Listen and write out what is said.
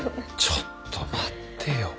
ちょっと待ってよ。